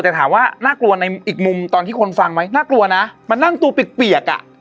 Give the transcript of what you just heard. แต่ถามว่าน่ากลัวในอีกมุมตอนที่คนฟังไหมน่ากลัวนะมันนั่งตัวเปียกอ่ะ